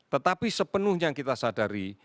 tetapi sepenuhnya kita sadari